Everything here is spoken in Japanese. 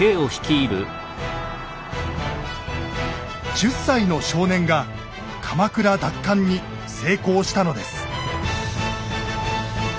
１０歳の少年が鎌倉奪還に成功したのです。